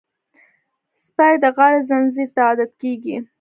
سپي د غاړې زنځیر ته عادت کېږي.